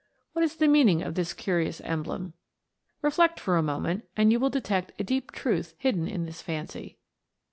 What is the meaning of this curious emblem ? Reflect for a moment, and you will detect a deep truth hidden in this fancy.